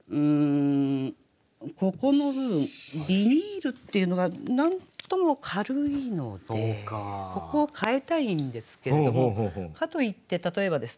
ここの部分ビニールっていうのがなんとも軽いのでここを変えたいんですけれどもかといって例えばですね